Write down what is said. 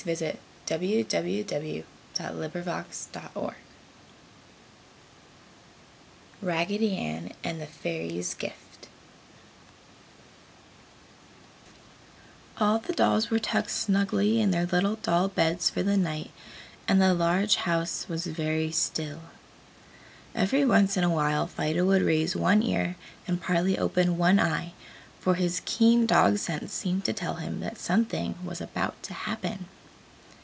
RAGGEDY ANN AND THE FAIRIES' GIFT All the dolls were tucked snugly in their little doll beds for the night and the large house was very still. Every once in a while Fido would raise one ear and partly open one eye, for his keen dog sense seemed to tell him that something was about to happen.